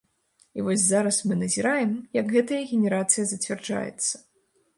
І вось зараз мы назіраем, як гэтая генерацыя зацвярджаецца.